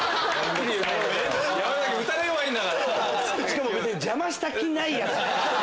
しかも邪魔した気ないやつね。